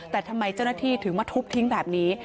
แต่ทำไมเจ้าหน้าที่ถึงมาทุบทิ้งแบบนี้